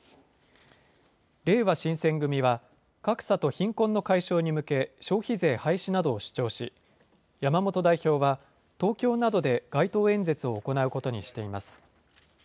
れいわ新選組は、格差と貧困の解消に向け、消費税廃止などを主張し、山本代表は東京などで街頭演説を行うことにしています。